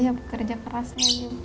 iya bu pekerja kerasnya